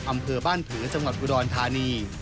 อำเภอบ้านผืนสมรรถกุดรธานี